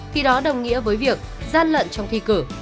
thì đó đồng nghĩa với việc gian lận trong thi cử